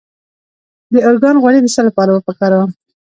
د ارګان غوړي د څه لپاره وکاروم؟